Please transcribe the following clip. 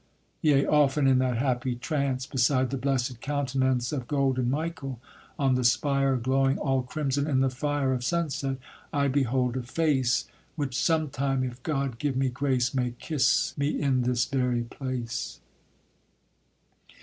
Yea, often in that happy trance, Beside the blessed countenance Of golden Michael, on the spire Glowing all crimson in the fire Of sunset, I behold a face, Which sometime, if God give me grace, May kiss me in this very place.